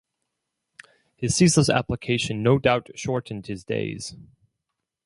His ceaseless application no doubt shortened his days.